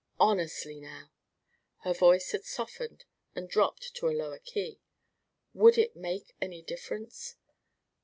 Honestly, now" her voice had softened and dropped to a lower key "would it make any difference?"